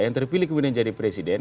yang terpilih kemudian jadi presiden